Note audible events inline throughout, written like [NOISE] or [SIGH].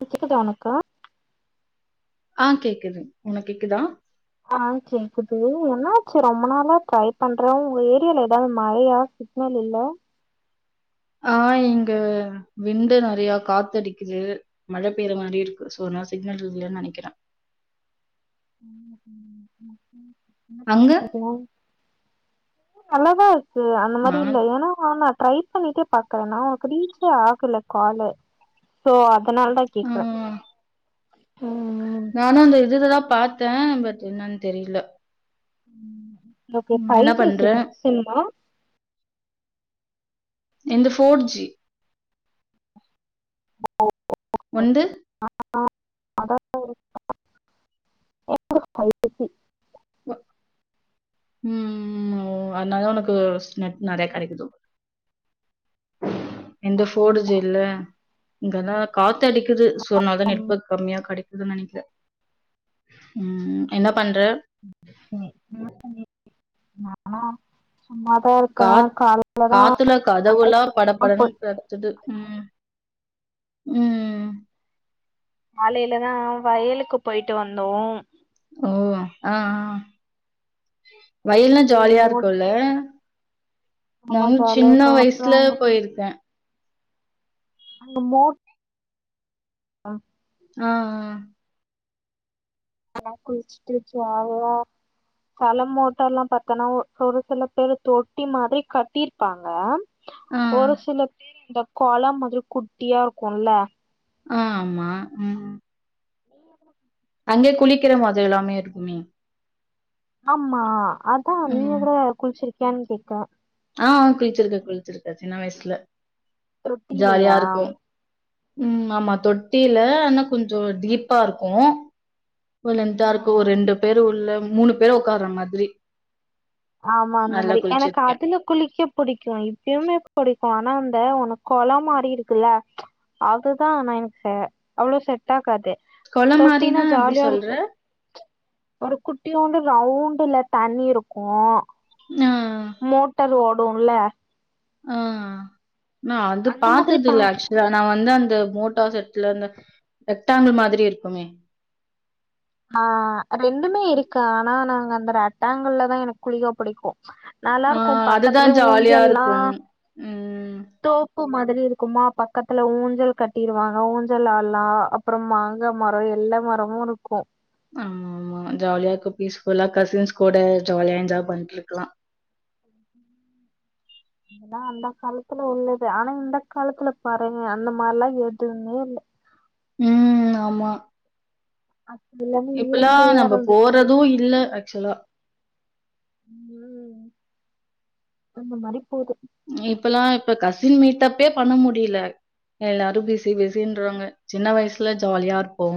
ப்ப கேக்குதா உனக்கு ஆ கேக்குது உனக் கேக்குதா ஆ கேக்குது என்னாச்சு ரொம்ப நாளா ட்ரை பண்றே உங்க ஏரியால ஏதாவது மழையா க்னல் இல்ல ஆ இங்க விண்டு நெறைய காத்தடிக்கிது மழை பெய்ர மாரி இருக்கு சோ நா சிக்னல் இல்லேனு நெனைக்கிறே அங்க? நல்லாதா இருக் ஏ அந்த மாரி நான் இல்ல ஏனா நா ட்ரை பண்ணிட்டே பாக்குறனா உனக்கு ரீச்சே ஆகல காலு சோ அதனாலத ஆ கேக்றே நானு அந்த இதுலத பாத்தே பட் என்னன்னு தெரிய்ல ஓகே ஃபை ஜி சிம் சிம்மா எந்து ஃபோர் ஜி வந்து [INAUDIBLE] [INAUDIBLE] வ ம் ம் ஓ அதுனாலத உனக்கு நெட் நெறைய கெடைக்குது எந்த ஃபோர்ஜு ஆமா இல்ல இங்கத காத்து அடிக்குது சோ அதனாதா ஆமா, நெட்வர்க் கம்மியா கிடைக்குதுன்னு நெனைக்கிறே ம் என்ன பண்றே [INAUDIBLE] காத் காலைலதா காத்துல கதவுலா படப்படங்கிறது துது ம் ம் காலைலத வயலுக்கு போய்ட்டு வந்தோ ஓ ஆ ஆ வயல்லா போயிட்டு ஜாலியா மோ இருக்குல்ல ஆமா நானு ஜாலியா சின்ன இருக்கு அப்புறோ வயசுல அங்க போயிருக்கே ஆமா ஆ ஆ ஆ தல குளிச்சுட்டு சாவவா சில மோட்டர்லா பாத்தனா ஒரு சில பேரு தொட்டி மாதிரி கட்டிருப்பாங்க ஆ, ஆ. ஒரு சில பேரு இந்த குள மாதிரி குட்டியா இருக்குல்ல ஆமா ம் அங்கே குளிக்கிற மாதிரி எல்லாமே இருக்குமே ஆமா அதா நீங்க ம். கூடவா குளிச்சிருக்கியானு கேட்டே ஆ குளிச்சுருக்கே குளிச்சுருக்கே சின்ன வயசுல தொட்டிலையா ஜாலியாருக்கு ம் ஆமா தொட்டில்ல ஆனா கொஞ்சோ டீப்பாருக்கு ரொம்ப லென்த் ஆ ம், இருக்கு ஒரு ம். ரெண்டு பேரு உள்ள மூணு பேரு உக்கார மாதிரி ஆமா அந்த நல்லா மாரி எனக்கு குளிச்சிருக்கேன். அதுல குளிக்க புடிக்கு இப்பயுமே புடிக்கு ஆனா அந்த ஒன்னு கொள மாறி இருக்குல்ல அதுதா எனக்கு தேவ அவ்ளோ செட் ஆகாது குளம் தொட்டினா மாரின்னா எப்படி சொல்ற? ஜாலியாருக்கு ஒரு குட்டியூண்டு ரவுண்டுல தண்ணி இருக்கு ஆ மோட்டர் ஓடுன்ல ஆ நா அது அந்த மாதிரி பா பாத்ததில்ல ஆக்சு இது நா வந்து அந்த மோட்டார் செட்ல அந்த ரெட்டாங்குல் மாதிரி இருக்குமே ஆ ரெண்டுமே இருக்கு ஆனா நாங்க அந்த ரெக்டாங்கள்லதா எனக்கு குளிக்க புடிக்கு ஆ நல்லாருக்கு பக்கத்துலே அதுதான் ஜாலியா ஊஞ்சல்லா இருக்கும். ம். தோப்பு மாதிரி இருக்குமா பக்கத்துல ஊஞ்சல் கட்டிருவாங்க ஊஞ்சல்ல ஆட்லா அப்றம் மாங்கா மரொ எல்லா மரமு இருக்கு ஆமா ஜாலியா இருக்கு பீஸ்ஃபுல்லா கசின்ஸ் கூட ஜாலியா என்ஜாய் பண்ட்டு இருக்கலா அதா அந்த காலத்துல உள்ளது ஆனா இந்த காலத்துல பாருங்க அந்த மாரிலா எதுவுமே இல்ல ம் ஆமா அது எல்லாமே இப்பெல்லா இயற்கையா நம்ப இருந்துச்சு போறது இ இல்ல ஆக்சுவலா ம் அந்த மாரி போது இப்பெல்லா இப்ப கசின் மீட்டப்யே பண்ண முடியில எல்லாரு பிஸ் பிஸி பிஸின்றாங்க சின்ன வய்சுல ஜாலியா இருப்போ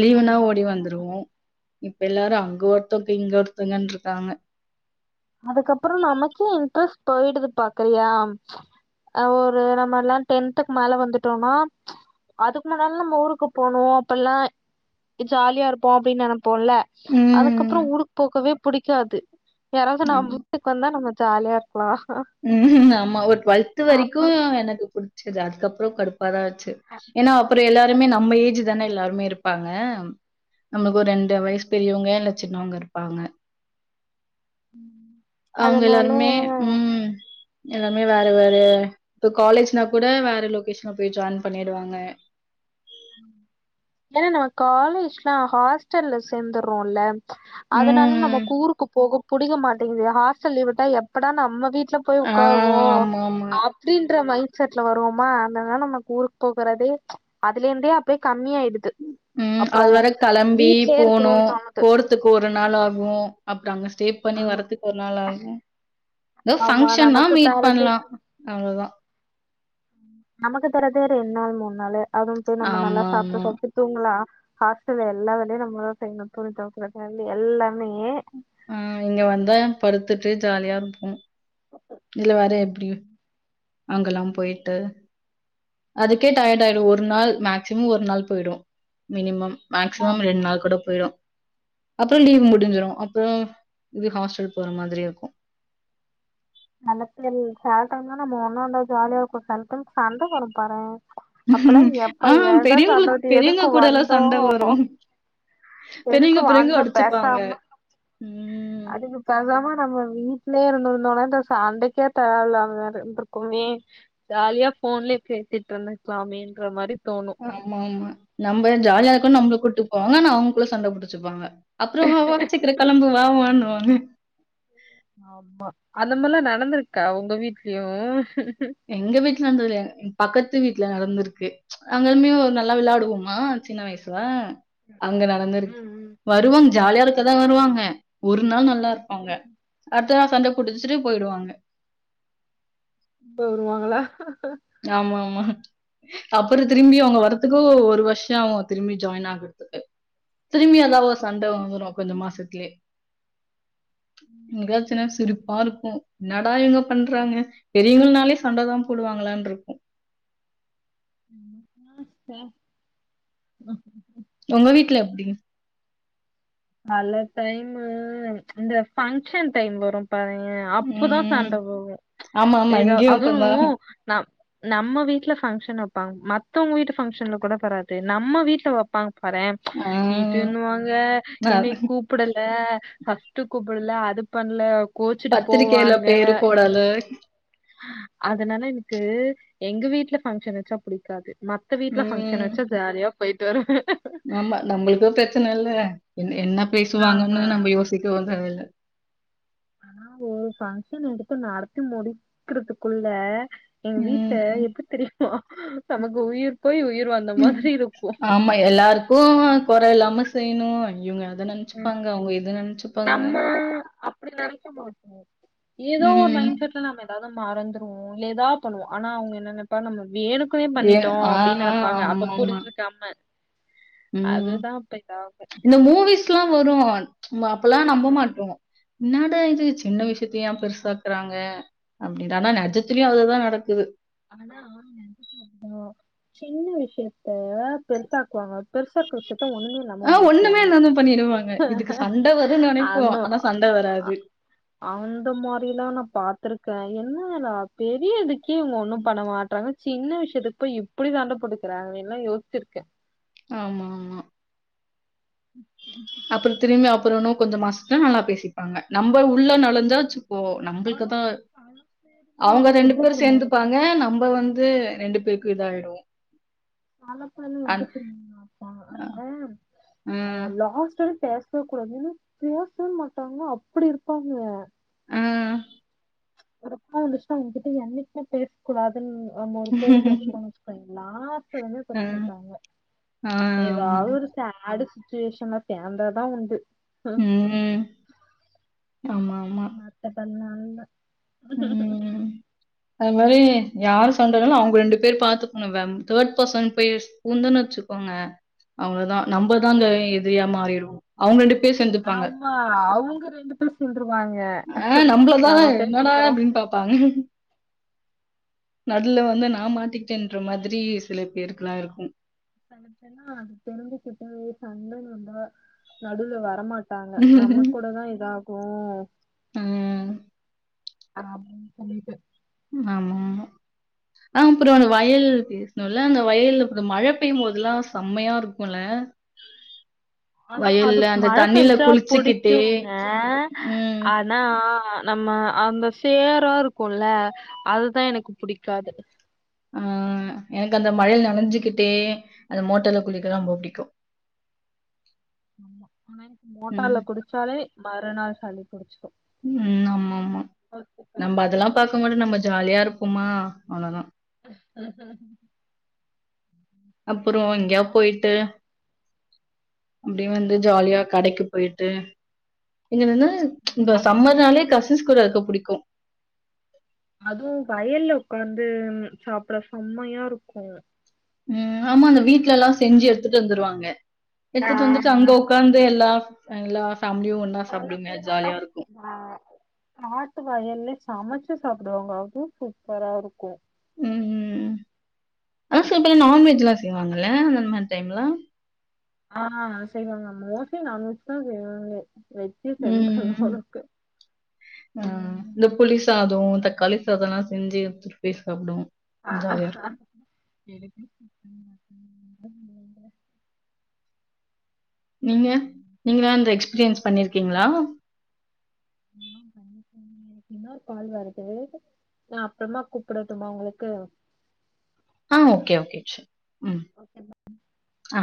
லீவுனா ஓடி ஆமா வந்துருவோ இப்ப எல்லாரு அங்க ஒருத்தவங்க இங்க ஒருத்தங்கன்னுருக்காங்க அதுக்கப்பறோ நமக்கே இன்ட்ரஸ்ட் போயிடுது பாக்குறியா அ ஒரு நம்ம எல்லா டென்த்துக்கு மேல வந்துட்டோனா அதுக்கு முன்னாலலா நம்ம ஊருக்கு போனு அப்பெல்லா இஜாலியா இருப்போ அப்டின்னு நனப் போல அதுக்கப்றொ ம். ஊருக்கு போகவே புடிக்காது யாராவுது ஆ. நம்ப வீட்டுக்கு வந்தா நம்ம ஜாலியா இருக்கலா ம் ம் ஆமா ஒரு டுவல்த் வரக்கு எனக்கு புட்ச்சது அதுக்கப்றொ கடுப்பாதா ஆச்சு ஏனா அப்பறொ எல்லாருமே அது நம்ம ஏஜு தான எல்லாருமே இரு பாங்க நமக்கு ஒரு ரெண்டு வயசு பெரியவங்க இல்ல சின்னவங்க இருப்பாங்க அவ்ங்க எல்லாருமே அதனால ம் எல்லாமே வேற வேறய இப்ப காலேஜ்னா கூட வேற லொக்கேஷன் போய் ஜாய்ன் பண்ணிடுவாங்க ஏனா நம்ம காலேஜ்லா ஹாஸ்டல்ல சேந்தற்றோல்ல அதுனால நம்ம ம். கூருக்கு போக புடிக்க மாட்டிங்குது ஹாஸ்டல் லீவ் விட்டா எப்படா நம்ம வீட் ட்ல போய் ஆ உக்காருவோ ஆமாமா. அ ப்டின்ற மைட் செட்ல வருவோமா அதனால நமக்கு ஊருக்கு போகறதே அதுலே இருந்தே அப்டியே கம்மி ஆயிடு ம் அது வேற களம்பி போனு இருக்கணும்னு தோணுது போற துக்கு ஒரு நாள் ஆகு அப்றோ அங்க ஸ்டே பண்ணி வரதுக்கு ஒரு நாள் ஆகு எதோ ஆமா ஃபங்க்ஷன்னா நமக்கு மீட் தரது பண்லா அவ்ளோ தா நமக்கு தரதே ரெண் நாள் மூணு நாள்ளு அதுவு போய் நம்ம நல்லா சாப்ட்டு ஆமாமா. சாப்ட்டு தூங்கலா ஹாஸ்டல்ல எல்லா வேலயு நம்ம தா செய்னு துணி தொவக்கெறது இருந்து எல்லாமே ஏ ம் இங்க வந்து படுத்துட்டு ஜாலியா இருப்போ இதுல வேற எப்டி அங்கெல்லாம் போய்ட்டு அதுக்கே டயர்ட் ஆயிரு ஒரு நாள் மேக்சிமம் ஒரு நாள் போய்டு மினிமம் மேக்சிமம் ரெண்ட் நாள் கூட போய்டு அப்புறோ லீவ் முடிஞ்சிரு அப்புறோ இது ஹாஸ்ட்டல் போற மாதிரி இருக்கு அலச்சல் சேலத்துல இருந்தா நம்ம ஒன்னா இருந்தா ஜாலியா இருக்கு சம்டைம் சண்ட வரு பாரே அப்பெல்லா ஆ எப்ப ஏன்டா சண்ட பெரியவங்களுக்கு வந்து பெரியவங்க எதுக்கு கூடலாம் வந்தோ சண்ட வரும். எதுக்கு பெரியவங்க பெரியவங்க வாந்தோ அடிச்சுப்பாங்க. பேசாம ம். அதுக்கு பேசாமா நம்ம வீட்லையே இருந்திருந்தோனா இந்த சண்டைக்கே தேவலாம இருந்திருக்குமே ஜாலியா ஃபோன்லையே பேசிட்டு இருந்திருக்கலாமேன்ற மாரி தோணு ஆம்மாம்மா நம்ம ஜாலியா இருக்குன்னு நம்மள கூட்டு போவாங்க ஆனா அவுங்குள்ள சண்ட புடிச்சுப்பாங்க அப்பறமா வா வா சீக்கற கெளம்பு வா வான்னு வாங்க ஆமா அந்த மாறிலா நடந்திருக்கா உங்க வீட்லையு எங்க வீட்ல நடந்ததில்ல எங் பக்கத்து வீட்ல நடந்திருக்கு அங்களுமே ஒரு நல்லா வெளாடுவோமா சின்ன வயசுல அங்க நடந்திருக்கு ம் ம் வருவாங்க ஜாலியா இருக்க தா வருவாங்க ஒரு நாள் நல்லா இருப்பாங்க அடுத்த நாள் சண்ட புடுச்சுட்டு போய்ருவாங்க போய்ருவாங்களா ஆம்மாம்மா அப்பறோ திரும்பியு அவுங்க வர்றத்துக்கு ஒரு வருஷோ ஆவு திரும்பி ஜாய்ன் ஆகுறதுக்கு திரும்பி ஏதா ஒரு சண்ட ம் வந்துரு கொஞ்சோ மாசத்துலையே இங்க சின்ன வயசுல சிரிப்பா இருக்கு என்னடா இவுங்க பண்றாங்க பெரியவங்கனாலே சண்ட தா போடுவாங்களா ன்டிருக்கும் [INAUDIBLE] உங்க வீட்ல எப்டி பல டைம்மு இந்த ஃபங்க்ஷன் டைம் வரு பாருங்க அப்ப தா ம். சண்ட போடுவோ ஆமாமா. ஏதோ இங்கேயும் அப்பதான். அதுவு நா நம்ம வீட்ல ஃபங்க்ஷன் வைப்பாங்க மத்தவங்க வீட்டு ஃபங்க்ஷன்ல கூட வராது நம்ம வீட்ல வைப்பாங்க பாறே ஆ. இதுன்னுவாங்க ந கூப்படல ஃபர்ஸ்ட்டு கூப்படல அது பண்ணல கோச்சுட்டு போவாங்க ஹாலோ அதனால எனக்கு எங்க வீட்ல ஃபங்க்ஷன் வச்சா புடிக்காது மத்த வீட்ல ஃபங்க்ஷன் ம். வச்சா ஜாலியா போய்ட்டு வருவாங்க நம்மளுக்கு பிரச்சன இல்ல என் என்ன பேசுவாங்கன்னு ஆமா நம்ம யோசிக்கவு தேவ இல்ல பாரு ஃபங்க்ஷன் எடுத்து நடத்தி முடிக்கறதுக்குள்ள எங்க வீட்ல ம். எப்டி தெரிமா நமக்கு உயிர் போய் உயிர் வந்த மாதிரி இருக்கு எல்லாருக்கு கொற இல்லாம செய்ணு இவுங்க அத நெனச்சுப்பாங்க அவுங்க இத நெனச்சுப்பாங்க அப்டி நினைக்க மாட்டோ ஏதோ ஒரு ம். மைன்ட் செட் ல நம்ம ஏதாது மறந்துருவோ ஏதா பண்ணுவோ ஆனா அவுங்க என்ன நெனப்பாங்க நம்ம வேணுக் கு வே பண்ணிட்டோ ஆ அப்டின்னு நெனப்பாங்க அப்ப ஆமாமா. புரிஞ்சு க்காம ம். அதுதா இப்ப இதாகு இந்த மூவிஸ்ல்லா வரு அப்பல்லா நம்ப ம். மாட்டோ என்னடா இது சின்ன விஷயத்த ஏ பெருசாக்குறாங்க அப்டி தான்னா நஜத்துலயு அதுதா நடக்குது ஆனா நிஜத்திலயும் சின்ன விஷயத்த பெருசாக்குவாங்க பெருசாக்கு விஷயத்த ஒண்ணு ஆ ஒண்ணுமே இல்லாம பண்ணிடுவாங்க இதுக்கு சண்ட வரும்ன்னு நினைப்போ அந்த ஆனா சண்ட வராது அந்த மாரில்லா நா பாத்திருக்கே என்னடா பெரியடிக்கே இங்க ஒண்ணும் பண்ண மாட்டறாங்க சின்ன விஷயத்துக்கு போய் இப்டி சண்ட போட்டுக்கறாங்க எல்லா யோசிச்சிருக்கே ஆமா ஆமா ம் அப்பற திரும்பி அப்புற இன்னோ கொஞ்ச மாசத்துல நல்லா பேசிப்பாங்க நம்ம உள்ள நொலஞ்சாச்சுப்போ நம்மள்க்குதா ஆனா, அவங்க ரெண்டு எப்படி பேரும் தெரியுமா சேந்துப்பாங்க நம் இப்ப வந்து ரெண்டு பேருக்கு இதா ஆயிடோ [INAUDIBLE] அ லாஸ்ட் டைம் பேச கூடாதுனு பேசவே மாட்டாங்க அப்டி இருப்பாங்க ஆ ஒருப்போ வந்துச்சுன்னா வந்துட்டு என்னைக்குமே பேச கூடாதுன்னு அந்த ஒரு கோவத்த வச்சுகோங்க இப் லாஸ்ட்ல வந்து அ தப்பு பண்டகங்க ஏதா ஆமா. ஒரு ஸ்சடு சுச்சுவேஷன்ல சேந்ததா உண்டு ம் ஆமாம் மத்த படி நா இல்ல ம். அது மாரி யாரு சண்டனாலு அவங்க ரெண்டு அப்டியே பாத்துக்கணு மெம் தேர்ட் பர்சன் போய் பூந்துன்னு வச்சுக்கோங்க அவ்ளோதான் நம்மதாங்க எதிரியா மாறிடுவோ அவங்க ரெண்டு பேர் சேந்துப்பாங்க ஆமா அவங்க ரெண்டு பேர் சேந்துருவாங்க ஆ நம்மளதா நம்ம பேச என்னடா போறோ அப்டின்னு பாப்பாங்க நடுல வந்து நா மாட்டிக்கிட்டேன்ற மாதிரி சில பேருக்குல்லா இருக்கும் செலபெர்னா தெரிஞ்சுக்கிட்ட சண்டைன்னு வந்த நடுல வரமாட் டாங்க நம்ம கூடதா இதா அ [UNINTELLIGIBLE] ஆமா ஆ அப்பறம் அந்த வயல் பேசணு இல்ல அந்த வயல்ல அப்டி மழ பெய்யுமோதெல்லாம் சம்மையா இருக்கும்ல்ல ஆனா அது அந்த மழ தண்ணீல பெஞ்சா குளிச்சுக்கிட்டே புடிக்குங்க ஆ ம். ஆனா நம்ம அந்த சேரா இருக்கொல்ல அதுதா எனக்கு புடிக்காது ம் எனக்கு அந்த மழைல நனைஞ்சுகிட்டே அந்த மோட்டர்ல குளிக்கல்லா ரொம்ப புடிக்கும் ஆமா ஆனா இப்ப மோட்டார்ல ம். குடிச்சாலே மறுநாள் சளி புடிச்சுக்கு ம் ஆமா ஆமா நம்ப அதெல்லா பாக்கும்போது நம்ப ஜாலியா இருப்போமா அவ்ளோதான் [INAUDIBLE] அப்புறம் எங்கயா சாப்பிட்டீங்களா? போயிட்டு அப்டியே வந்து ஜாலியா கடைக்கு போயிட்டு [UNINTELLIGIBLE] இந்த அத் சம்மர்னாலே கசின்ஸ் கூட இருக்க புடிக்கும் அதுவு வயல்ல உக்காந்து சாப்ட செம்மையா இருக்கும் ம் ஆமா அந்த வீட்ல எல்லா செஞ்சு எடுத்துட்டு வந்துருவாங்க ஆ, எடுத்துட்டு வந்துட்டு அங்க உ உக்காந்து எல்லா எல்லா பேமிலியு ஒண் [UNINTELLIGIBLE] ஆ ஆத்து வயல்ல சமைச்சு சாப்பிடுவாங்க அதுவு சூப்பரா இருக்கும் ம் ம் அதான் சில பேர் நான்வெஜ்லா செய்வாங்கல்ல அந்த மாரி டைம்லா ஆ செய்வாங்க மோஸ்லி நான்வெஜ் தா செய்வாங்க வெஜ் ம். க்கு அ ஆஹ் [UNINTELLIGIBLE] இந்த புளி சாதொம் தக்காளி சாதம்ல்லாம் செஞ்சு எத்திட்டுபோய் சாப்பிடுவோம் ஆ ஜாலியா இருக்கும் [INAUDIBLE] நீங்க நீங்கலா அந்த எக்ஸ்பீரியன்ஸ் பண்ணிருக்கீங்ளா ம் கண்டிப்பா ம் இன்னொரு கால் வருது நா அப்பறமா கூப்டட்டுமா உங்களுக்கு ஆ ஓகே ஓகே சு ஓகே மா ஆ